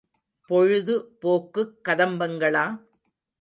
பொழுது போக்குக் கதம்பங்களா?